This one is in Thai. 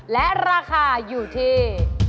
และราคาอยู่ที่